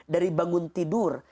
dari bangun tidur